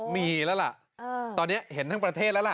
มีแล้วล่ะตอนนี้เห็นทั้งประเทศแล้วล่ะ